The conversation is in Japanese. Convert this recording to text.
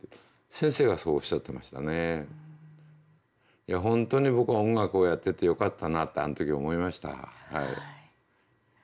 いや本当に僕は音楽をやっててよかったなってあの時思いました。